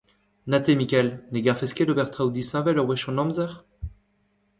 Na te Mikael, ne garfes ket ober traoù disheñvel ur wech an amzer ?